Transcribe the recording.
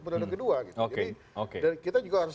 peraduan kedua jadi kita juga harus